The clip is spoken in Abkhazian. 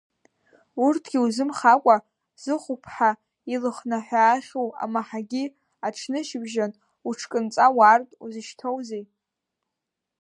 Урҭгьы узымхакәа зыхәԥҳа илыхнаҳәаахьу амаҳагьы, аҽнышьыбжьон уҽкынҵа уаартә узышьҭоузеи?